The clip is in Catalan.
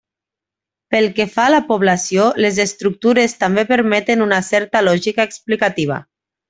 Pel que fa a la població, les estructures també permeten una certa lògica explicativa.